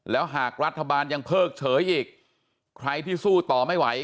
แล้วหากรัฐบาลยังเพิกเฉยอีกใครที่สู้ต่อไม่ไหว